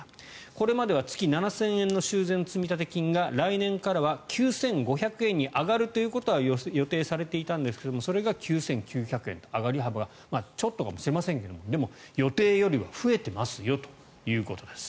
これまでは月７０００円の修繕積立金が来年からは９５００円に上がるということは予定されていたんですがそれが９９００円と、上がり幅がちょっとかもしれませんがでも予定よりは増えていますよということです。